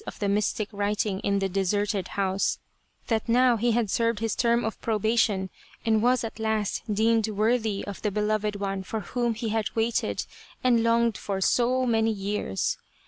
This, then, was the significance of the mystic writing in the deserted house, that now he had served his term of probation and was at last deemed worthy of the beloved one for whom he had waited and longed for so many years.